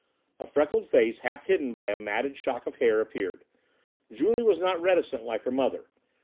A freckled face, half hidden by a matted shock of hair, appeared. Julie was not reticent like her mother.